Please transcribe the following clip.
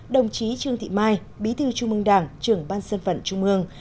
đồng chí trương thị mai bí thư trung ương đảng trưởng ban sân phận trung ương